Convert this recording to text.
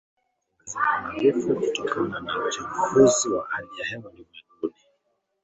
ongezeko la vifo kutokana na uchafuzi wa hewa ulimwenguni